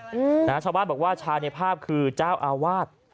เจ้าอาวาสบอกว่าชายในภาพคือเจ้าอาวาส